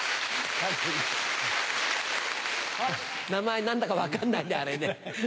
名前何だか分かんないんだあれね。